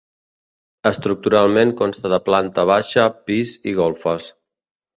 Estructuralment consta de planta baixa, pis i golfes.